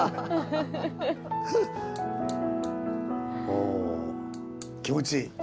おぉ気持ちいい！